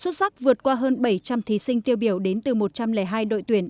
xuất sắc vượt qua hơn bảy trăm linh thí sinh tiêu biểu đến từ một trăm linh hai đội tuyển